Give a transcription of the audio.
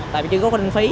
tại vì chưa có quân phí